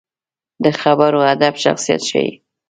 د خبرو ادب شخصیت ښيي